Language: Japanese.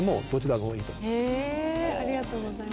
ありがとうございます。